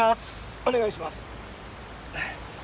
お願いします。